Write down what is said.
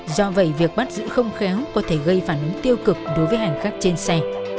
do vậy việc bắt giữ không khéo có thể gây phản ứng tiêu cực đối với hành khách trên xe